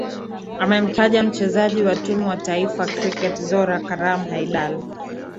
amemtaja mchezaji wa tumu ya taifa cricket zorah karam haidal